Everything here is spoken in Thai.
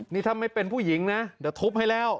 นี่ถ้าไม่เป็นผู้หญิงนะเดี๋ยวทุบให้แล้ว